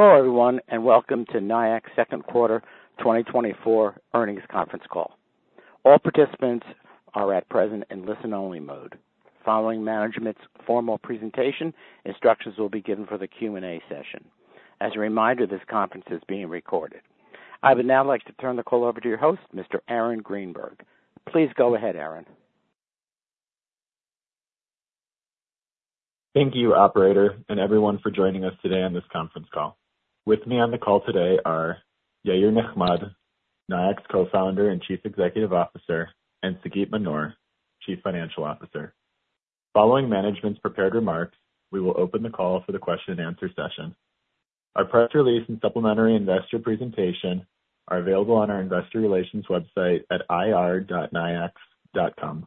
Hello, everyone, and welcome to Nayax Second Quarter 2024 Earnings Conference Call. All participants are at present in listen-only mode. Following management's formal presentation, instructions will be given for the Q&A session. As a reminder, this conference is being recorded. I would now like to turn the call over to your host, Mr. Aaron Greenberg. Please go ahead, Aaron. Thank you, Operator, and everyone for joining us today on this conference call. With me on the call today are Yair Nechmad, Nayax Co-founder and Chief Executive Officer, and Sagit Manor, Chief Financial Officer. Following management's prepared remarks, we will open the call for the question-and-answer session. Our press release and supplementary investor presentation are available on our investor relations website at ir.nayax.com.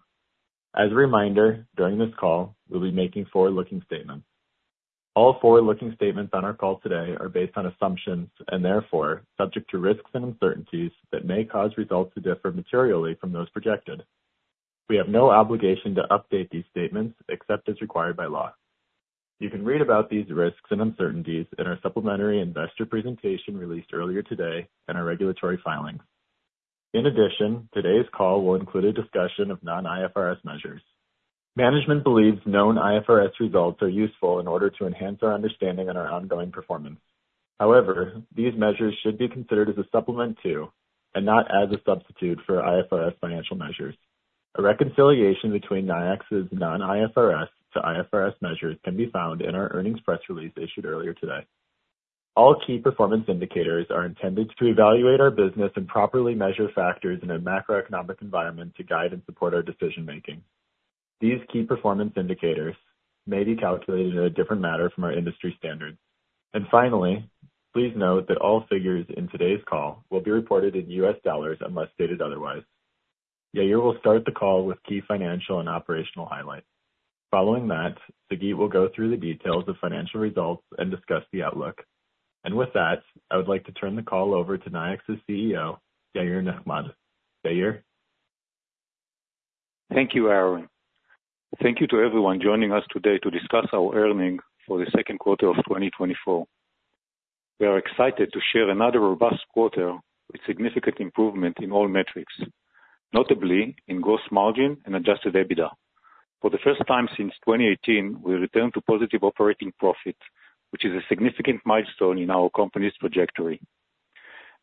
As a reminder, during this call, we'll be making forward-looking statements. All forward-looking statements on our call today are based on assumptions and therefore subject to risks and uncertainties that may cause results to differ materially from those projected. We have no obligation to update these statements except as required by law. You can read about these risks and uncertainties in our supplementary investor presentation released earlier today and our regulatory filings. In addition, today's call will include a discussion of non-IFRS measures. Management believes known IFRS results are useful in order to enhance our understanding and our ongoing performance. However, these measures should be considered as a supplement to and not as a substitute for IFRS financial measures. A reconciliation between Nayax's non-IFRS to IFRS measures can be found in our earnings press release issued earlier today. All key performance indicators are intended to evaluate our business and properly measure factors in a macroeconomic environment to guide and support our decision-making. These key performance indicators may be calculated in a different manner from our industry standards. And finally, please note that all figures in today's call will be reported in U.S. dollars unless stated otherwise. Yair will start the call with key financial and operational highlights. Following that, Sagit will go through the details of financial results and discuss the outlook. With that, I would like to turn the call over to Nayax's CEO, Yair Nechmad. Yair? Thank you, Aaron. Thank you to everyone joining us today to discuss our earnings for the second quarter of 2024. We are excited to share another robust quarter with significant improvement in all metrics, notably in gross margin and Adjusted EBITDA. For the first time since 2018, we returned to positive operating profit, which is a significant milestone in our company's trajectory.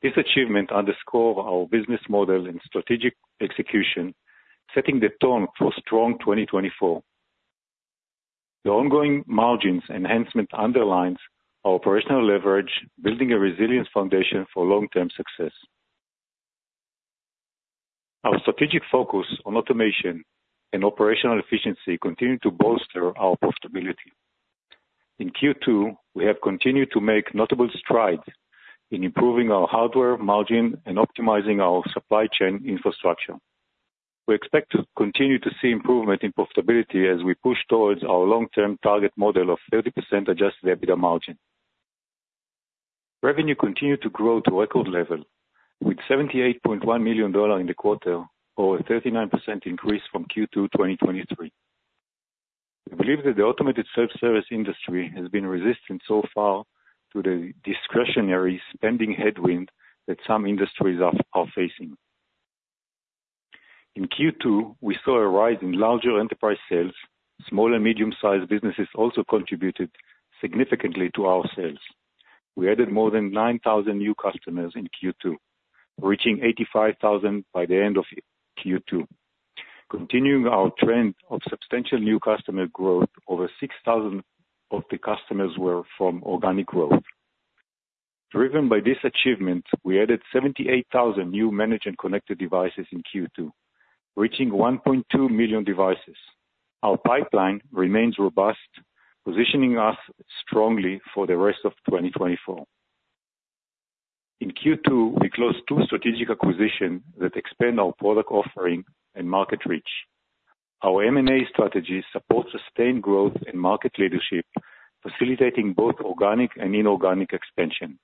This achievement underscores our business model and strategic execution, setting the tone for a strong 2024. The ongoing margins enhancement underlines our operational leverage, building a resilient foundation for long-term success. Our strategic focus on automation and operational efficiency continues to bolster our profitability. In Q2, we have continued to make notable strides in improving our hardware margin and optimizing our supply chain infrastructure. We expect to continue to see improvement in profitability as we push towards our long-term target model of 30% Adjusted EBITDA margin. Revenue continued to grow to record levels, with $78.1 million in the quarter, or a 39% increase from Q2 2023. We believe that the automated self-service industry has been resistant so far to the discretionary spending headwind that some industries are facing. In Q2, we saw a rise in larger enterprise sales. Small and medium-sized businesses also contributed significantly to our sales. We added more than 9,000 new customers in Q2, reaching 85,000 by the end of Q2, continuing our trend of substantial new customer growth. Over 6,000 of the customers were from organic growth. Driven by this achievement, we added 78,000 new managed and connected devices in Q2, reaching 1.2 million devices. Our pipeline remains robust, positioning us strongly for the rest of 2024. In Q2, we closed two strategic acquisitions that expand our product offering and market reach. Our M&A strategy supports sustained growth and market leadership, facilitating both organic and inorganic expansion.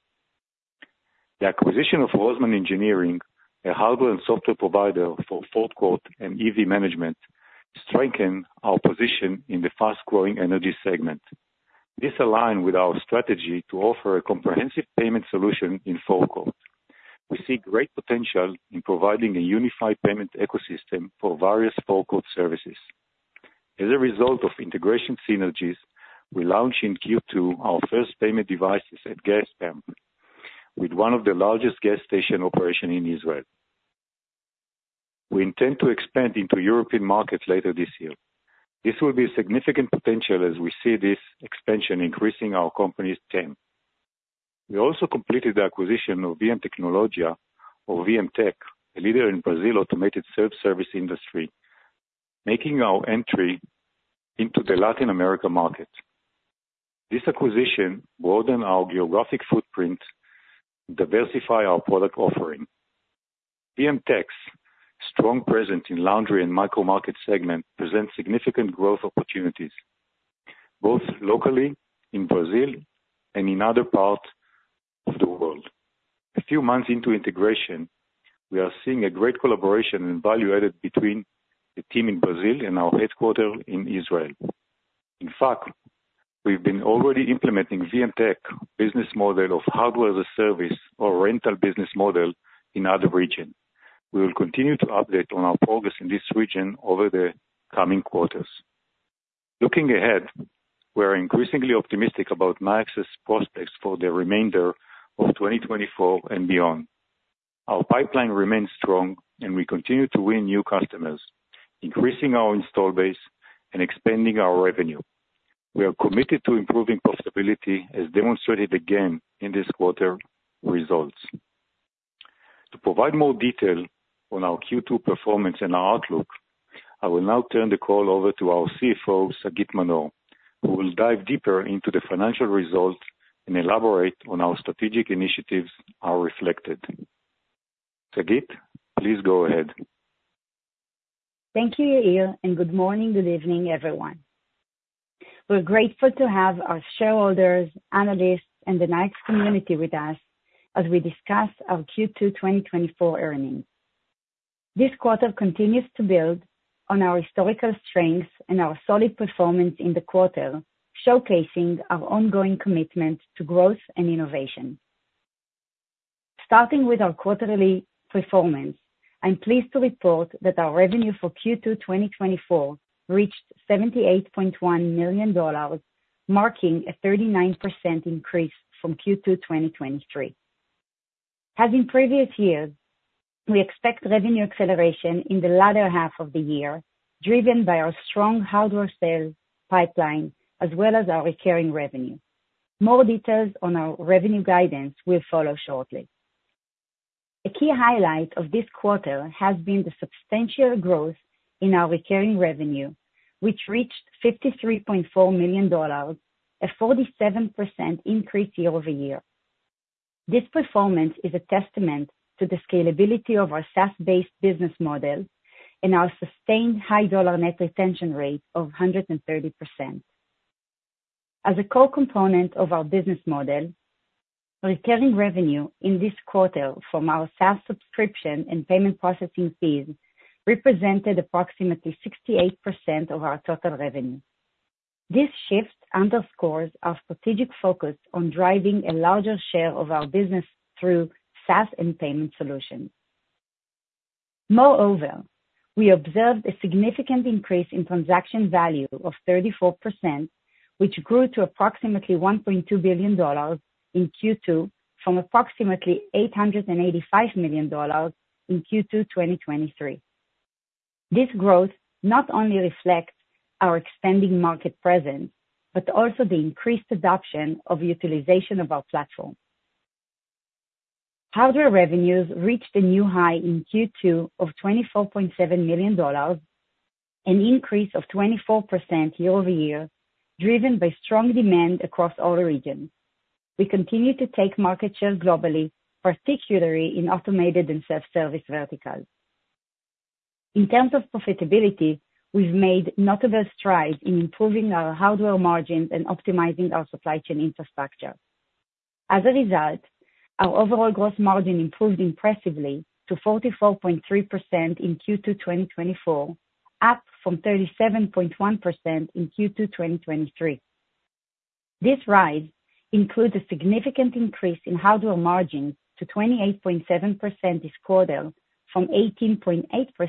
The acquisition of Roseman Engineering, a hardware and software provider for forecourt and EV management, strengthened our position in the fast-growing energy segment. This aligns with our strategy to offer a comprehensive payment solution in forecourt. We see great potential in providing a unified payment ecosystem for various forecourt services. As a result of integration synergies, we launched in Q2 our first payment devices at Ten Petroleum, with one of the largest gas station operations in Israel. We intend to expand into European markets later this year. This will be a significant potential as we see this expansion increasing our company's TAM. We also completed the acquisition of VMtecnologia, or VMTech, a leader in Brazil's automated self-service industry, making our entry into the Latin American market. This acquisition broadened our geographic footprint and diversified our product offering. VMTech's strong presence in the laundry and micro-market segment presents significant growth opportunities, both locally in Brazil and in other parts of the world. A few months into integration, we are seeing a great collaboration and value added between the team in Brazil and our headquarters in Israel. In fact, we've been already implementing VMTech's business model of hardware as a service or rental business model in other regions. We will continue to update on our progress in this region over the coming quarters. Looking ahead, we are increasingly optimistic about Nayax's prospects for the remainder of 2024 and beyond. Our pipeline remains strong, and we continue to win new customers, increasing our install base and expanding our revenue. We are committed to improving profitability, as demonstrated again in this quarter's results. To provide more detail on our Q2 performance and our outlook, I will now turn the call over to our CFO, Sagit Manor, who will dive deeper into the financial results and elaborate on how strategic initiatives are reflected. Sagit, please go ahead. Thank you, Yair, and good morning, good evening, everyone. We're grateful to have our shareholders, analysts, and the Nayax community with us as we discuss our Q2 2024 earnings. This quarter continues to build on our historical strengths and our solid performance in the quarter, showcasing our ongoing commitment to growth and innovation. Starting with our quarterly performance, I'm pleased to report that our revenue for Q2 2024 reached $78.1 million, marking a 39% increase from Q2 2023. As in previous years, we expect revenue acceleration in the latter half of the year, driven by our strong hardware sales pipeline as well as our recurring revenue. More details on our revenue guidance will follow shortly. A key highlight of this quarter has been the substantial growth in our recurring revenue, which reached $53.4 million, a 47% increase year-over-year. This performance is a testament to the scalability of our SaaS-based business model and our sustained high dollar net retention rate of 130%. As a core component of our business model, recurring revenue in this quarter from our SaaS subscription and payment processing fees represented approximately 68% of our total revenue. This shift underscores our strategic focus on driving a larger share of our business through SaaS and payment solutions. Moreover, we observed a significant increase in transaction value of 34%, which grew to approximately $1.2 billion in Q2 from approximately $885 million in Q2 2023. This growth not only reflects our expanding market presence but also the increased adoption of utilization of our platform. Hardware revenues reached a new high in Q2 of $24.7 million, an increase of 24% year-over-year, driven by strong demand across all regions. We continue to take market share globally, particularly in automated and self-service verticals. In terms of profitability, we've made notable strides in improving our hardware margins and optimizing our supply chain infrastructure. As a result, our overall gross margin improved impressively to 44.3% in Q2 2024, up from 37.1% in Q2 2023. This rise includes a significant increase in hardware margins to 28.7% this quarter from 18.8%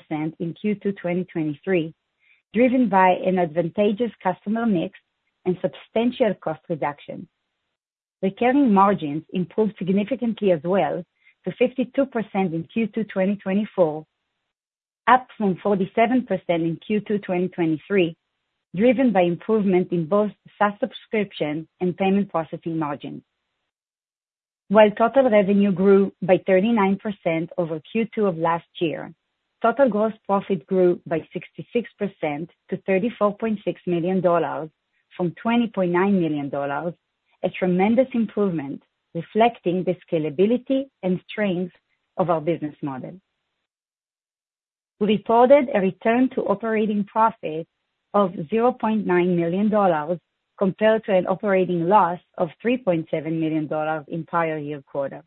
in Q2 2023, driven by an advantageous customer mix and substantial cost reduction. Recurring margins improved significantly as well to 52% in Q2 2024, up from 47% in Q2 2023, driven by improvement in both SaaS subscription and payment processing margins. While total revenue grew by 39% over Q2 of last year, total gross profit grew by 66% to $34.6 million from $20.9 million, a tremendous improvement reflecting the scalability and strength of our business model. We reported a return to operating profit of $0.9 million compared to an operating loss of $3.7 million in the prior year quarter.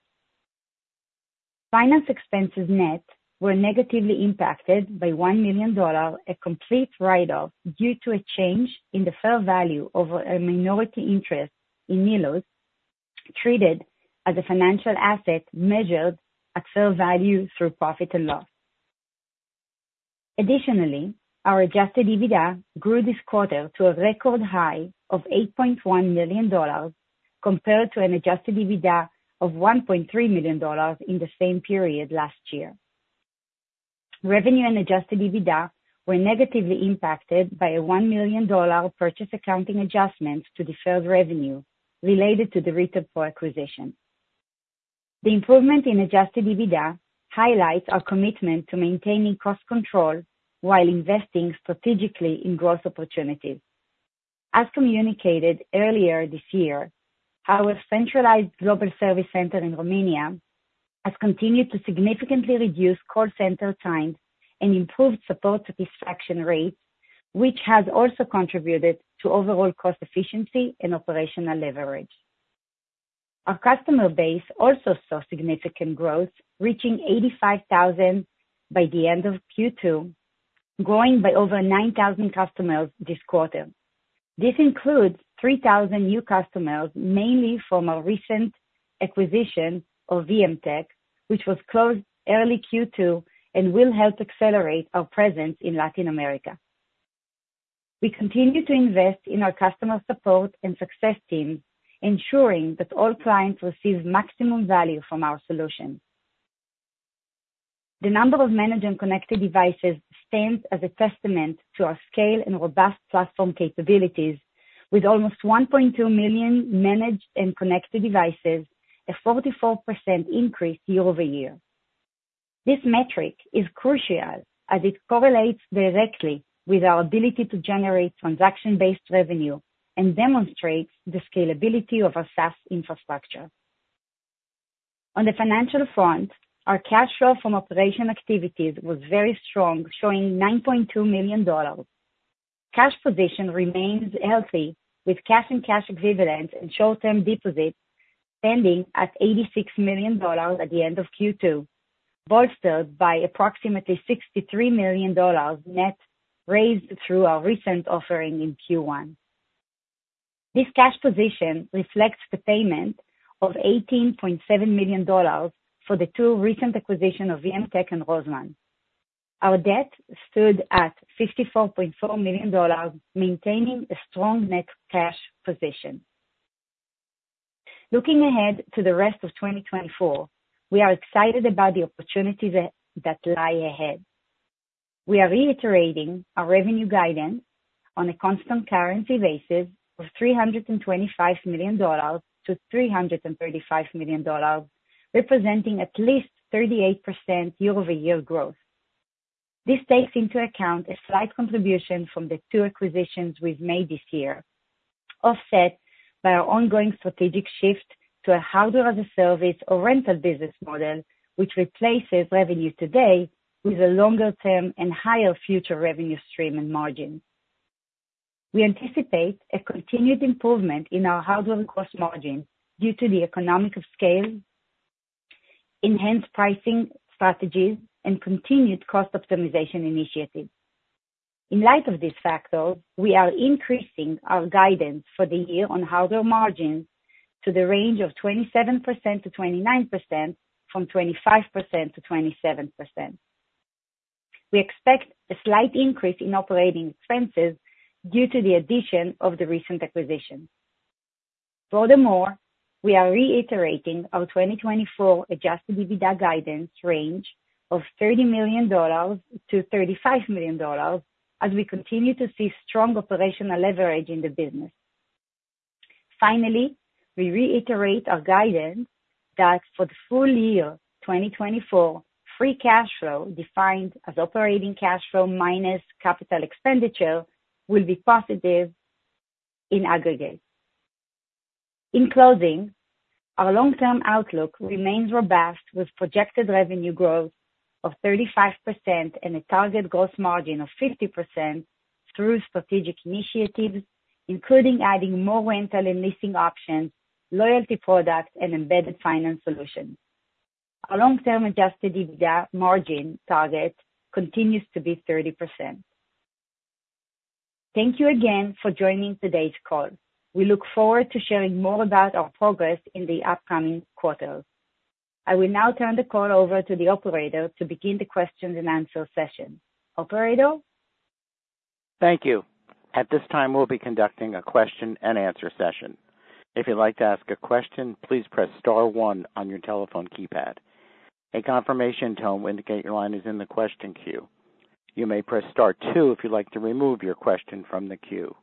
Finance expenses net were negatively impacted by $1 million, a complete write-off due to a change in the fair value of a minority interest in Nilus treated as a financial asset measured at fair value through profit and loss. Additionally, our adjusted EBITDA grew this quarter to a record high of $8.1 million compared to an adjusted EBITDA of $1.3 million in the same period last year. Revenue and adjusted EBITDA were negatively impacted by a $1 million purchase accounting adjustment to the fair value related to the retail acquisition. The improvement in adjusted EBITDA highlights our commitment to maintaining cost control while investing strategically in growth opportunities. As communicated earlier this year, our centralized global service center in Romania has continued to significantly reduce call center times and improved support satisfaction rates, which has also contributed to overall cost efficiency and operational leverage. Our customer base also saw significant growth, reaching 85,000 by the end of Q2, growing by over 9,000 customers this quarter. This includes 3,000 new customers, mainly from our recent acquisition of VMTech, which was closed early Q2 and will help accelerate our presence in Latin America. We continue to invest in our customer support and success team, ensuring that all clients receive maximum value from our solution. The number of managed and connected devices stands as a testament to our scale and robust platform capabilities, with almost 1.2 million managed and connected devices, a 44% increase year-over-year. This metric is crucial as it correlates directly with our ability to generate transaction-based revenue and demonstrates the scalability of our SaaS infrastructure. On the financial front, our cash flow from operational activities was very strong, showing $9.2 million. Cash position remains healthy, with cash and cash equivalents and short-term deposits pending at $86 million at the end of Q2, bolstered by approximately $63 million net raised through our recent offering in Q1. This cash position reflects the payment of $18.7 million for the two recent acquisitions of VMTech and Roseman. Our debt stood at $54.4 million, maintaining a strong net cash position. Looking ahead to the rest of 2024, we are excited about the opportunities that lie ahead. We are reiterating our revenue guidance on a constant currency basis of $325 million-$335 million, representing at least 38% year-over-year growth. This takes into account a slight contribution from the two acquisitions we've made this year, offset by our ongoing strategic shift to a hardware as a service or rental business model, which replaces revenue today with a longer-term and higher future revenue stream and margin. We anticipate a continued improvement in our hardware and cost margin due to the economic scale, enhanced pricing strategies, and continued cost optimization initiatives. In light of these factors, we are increasing our guidance for the year on hardware margins to the range of 27%-29% from 25%-27%. We expect a slight increase in operating expenses due to the addition of the recent acquisition. Furthermore, we are reiterating our 2024 Adjusted EBITDA guidance range of $30 million-$35 million as we continue to see strong operational leverage in the business. Finally, we reiterate our guidance that for the full year 2024, free cash flow, defined as operating cash flow minus capital expenditure, will be positive in aggregate. In closing, our long-term outlook remains robust, with projected revenue growth of 35% and a target gross margin of 50% through strategic initiatives, including adding more rental and leasing options, loyalty products, and embedded finance solutions. Our long-term Adjusted EBITDA margin target continues to be 30%. Thank you again for joining today's call. We look forward to sharing more about our progress in the upcoming quarter. I will now turn the call over to the operator to begin the question and answer session. Operator? Thank you. At this time, we'll be conducting a question and answer session. If you'd like to ask a question, please press star one on your telephone keypad. A confirmation tone will indicate your line is in the question queue. You may press star two if you'd like to remove your question from the queue.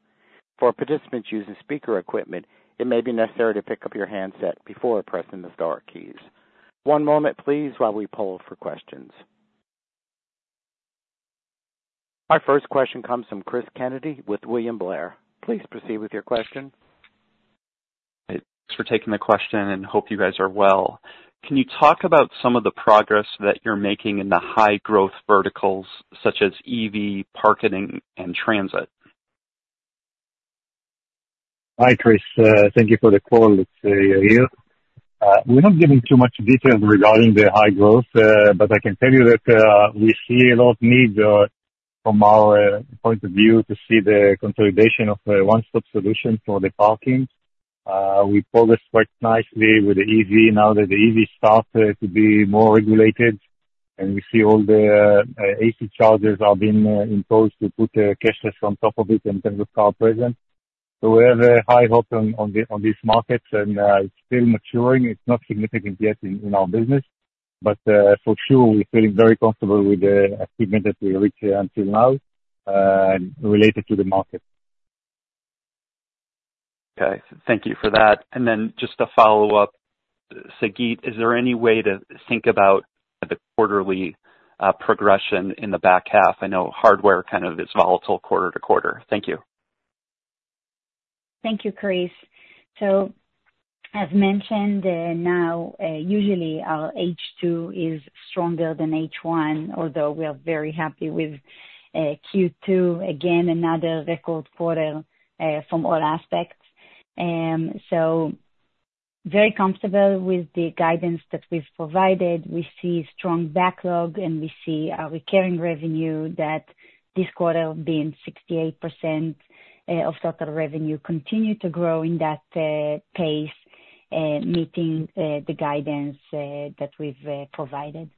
For participants using speaker equipment, it may be necessary to pick up your handset before pressing the star keys. One moment, please, while we poll for questions. Our first question comes from Cris Kennedy with William Blair. Please proceed with your question. Thanks for taking the question, and hope you guys are well. Can you talk about some of the progress that you're making in the high-growth verticals such as EV, parking, and transit? Hi, Cris. Thank you for the call. It's Yair. We're not giving too much detail regarding the high growth, but I can tell you that we see a lot of need from our point of view to see the consolidation of one-stop solutions for the parking. We progressed quite nicely with the EV now that the EV starts to be more regulated, and we see all the AC chargers are being imposed to put cashless on top of it in terms of card present. So we have a high hope on these markets, and it's still maturing. It's not significant yet in our business, but for sure, we're feeling very comfortable with the achievement that we reached until now related to the market. Okay. Thank you for that. And then just to follow up, Sagit, is there any way to think about the quarterly progression in the back half? I know hardware kind of is volatile quarter to quarter. Thank you. Thank you, Cris. So as mentioned, now, usually, our H2 is stronger than H1, although we are very happy with Q2. Again, another record quarter from all aspects. So very comfortable with the guidance that we've provided. We see strong backlog, and we see our recurring revenue that this quarter being 68% of total revenue continue to grow in that pace, meeting the guidance that we've provided.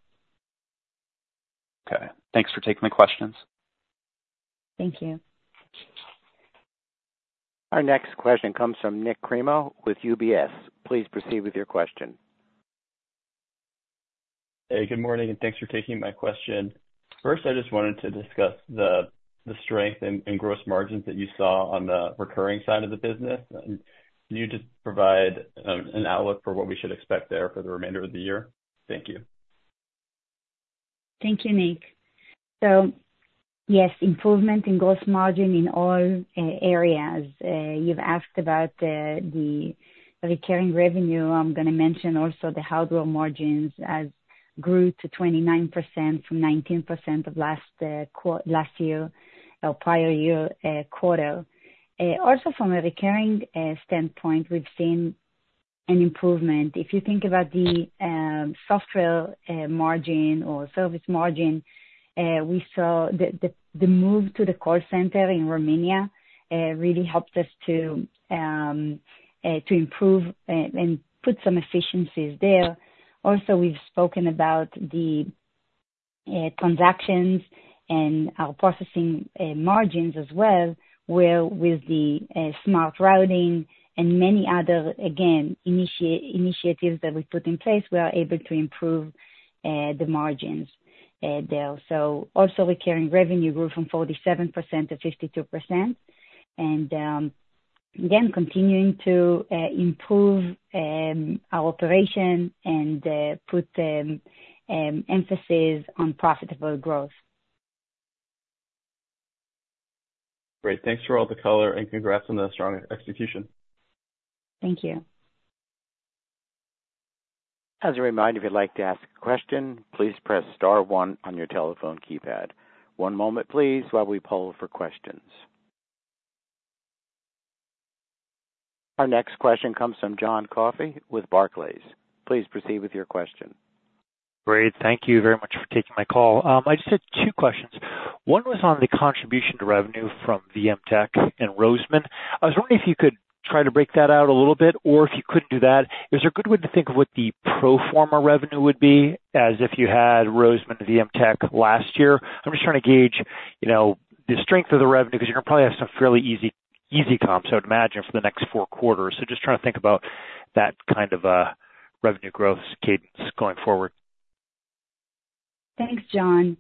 Okay. Thanks for taking the questions. Thank you. Our next question comes from Nik Cremo with UBS. Please proceed with your question. Hey, good morning, and thanks for taking my question. First, I just wanted to discuss the strength and gross margins that you saw on the recurring side of the business. Can you just provide an outlook for what we should expect there for the remainder of the year? Thank you. Thank you, Nik. So yes, improvement in gross margin in all areas. You've asked about the recurring revenue. I'm going to mention also the hardware margins as grew to 29% from 19% of last year or prior year quarter. Also, from a recurring standpoint, we've seen an improvement. If you think about the software margin or service margin, we saw the move to the call center in Romania really helped us to improve and put some efficiencies there. Also, we've spoken about the transactions and our processing margins as well, where with the smart routing and many other, again, initiatives that we put in place, we are able to improve the margins there. So also, recurring revenue grew from 47% to 52%. And again, continuing to improve our operation and put emphasis on profitable growth. Great. Thanks for all the color, and congrats on the strong execution. Thank you. As a reminder, if you'd like to ask a question, please press star 1 on your telephone keypad. One moment, please, while we poll for questions. Our next question comes from John Coffey with Barclays. Please proceed with your question. Great. Thank you very much for taking my call. I just had two questions. One was on the contribution to revenue from VMTech and Roseman. I was wondering if you could try to break that out a little bit, or if you couldn't do that, is there a good way to think of what the pro forma revenue would be as if you had Roseman and VMTech last year? I'm just trying to gauge the strength of the revenue because you're going to probably have some fairly easy comps, I would imagine, for the next four quarters. So just trying to think about that kind of revenue growth cadence going forward. Thanks, John.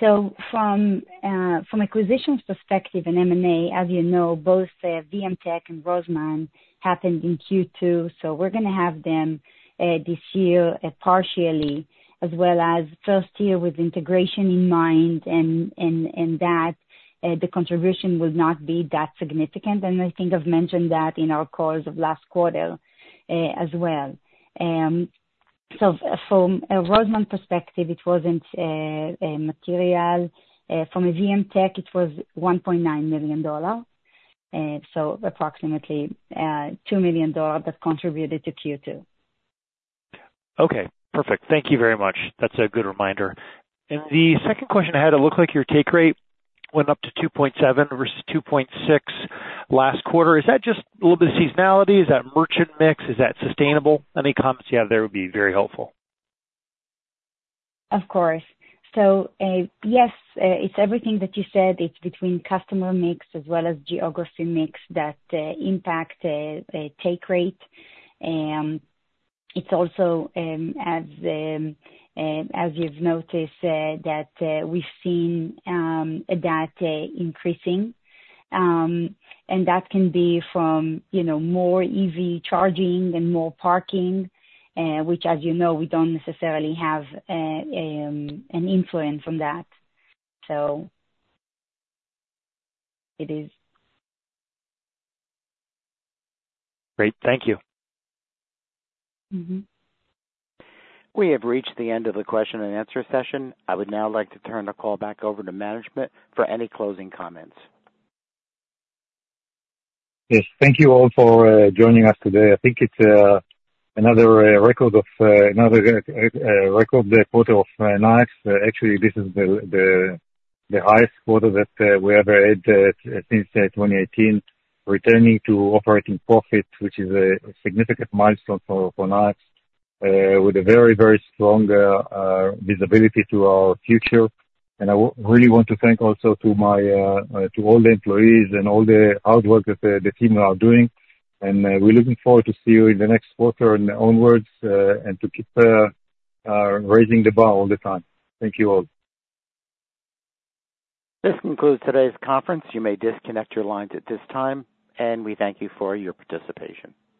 So from acquisitions perspective and M&A, as you know, both VMTech and Roseman happened in Q2. So we're going to have them this year partially, as well as first year with integration in mind, and that the contribution will not be that significant. And I think I've mentioned that in our calls of last quarter as well. So from a Roseman perspective, it wasn't material. From a VMTech, it was $1.9 million, so approximately $2 million that contributed to Q2. Okay. Perfect. Thank you very much. That's a good reminder. And the second question I had, it looks like your take rate went up to 2.7 versus 2.6 last quarter. Is that just a little bit of seasonality? Is that merchant mix? Is that sustainable? Any comments you have there would be very helpful. Of course. So yes, it's everything that you said. It's between customer mix as well as geography mix that impact take rate. It's also, as you've noticed, that we've seen that increasing. And that can be from more EV charging and more parking, which, as you know, we don't necessarily have an influence on that. So it is. Great. Thank you. We have reached the end of the question and answer session. I would now like to turn the call back over to management for any closing comments. Yes. Thank you all for joining us today. I think it's another record quarter of Nayax. Actually, this is the highest quarter that we ever had since 2018, returning to operating profit, which is a significant milestone for Nayax, with a very, very strong visibility to our future. I really want to thank also to all the employees and all the hard work that the team are doing. We're looking forward to see you in the next quarter and onwards and to keep raising the bar all the time. Thank you all. This concludes today's conference. You may disconnect your lines at this time, and we thank you for your participation.